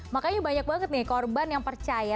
makanya banyak banget nih korban yang percaya